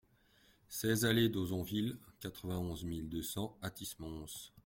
seize allée d'Ozonville, quatre-vingt-onze mille deux cents Athis-Mons